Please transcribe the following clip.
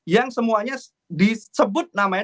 yang semuanya disebut namanya